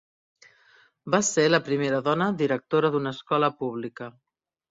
Va ser la primera dona directora d'una escola pública.